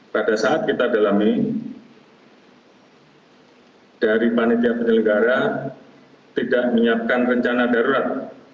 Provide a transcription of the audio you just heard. pada saat kita dalami dari panitia penyelenggara tidak menyiapkan rencana darurat